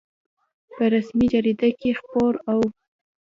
په رسمي جریده کې خپور او